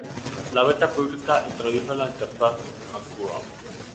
La Beta pública introdujo la interfaz Aqua.